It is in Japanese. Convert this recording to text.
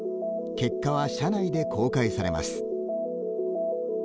結果は社内で公開されます。